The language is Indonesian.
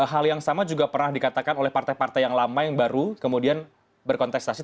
hal yang sama juga pernah dikatakan oleh partai partai yang lama yang baru kemudian berkontestasi